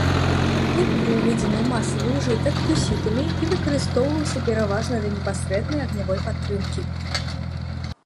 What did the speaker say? Тып быў уведзены ў масавы ўжытак гусітамі і выкарыстоўваўся пераважна для непасрэднай агнявой падтрымкі.